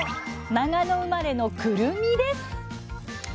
長野生まれのくるみです。